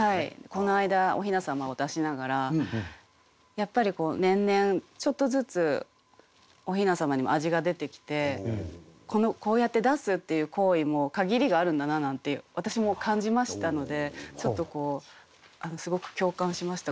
この間お雛様を出しながらやっぱり年々ちょっとずつお雛様にも味が出てきてこうやって出すっていう行為も限りがあるんだななんて私も感じましたのでちょっとこうすごく共感しました。